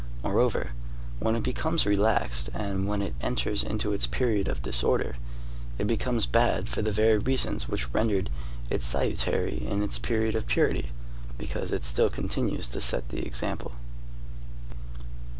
Moreover, when it becomes relaxed, and when it enters into its period of disorder, it becomes bad for the very reasons which rendered it salutary in its period of purity, because it still continues to set the example.